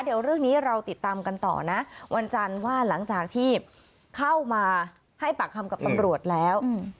เดี๋ยวเรื่องนี้เราติดตามกันต่อนะวันจันทร์ว่าหลังจากที่เข้ามาให้ปากคำกับตำรวจแล้ว